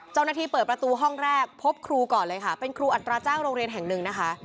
เจ้าหน้าที่เปิดประตูห้องแรกพบครูก่อนเลยค่ะเป็นครูอัตราจ้างโรงเรียนแห่งหนึ่งนะคะ